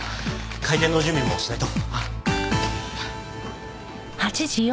開店の準備もしないと。